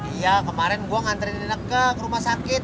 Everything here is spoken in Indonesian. iya kemarin gue ngantriin ineke ke rumah sakit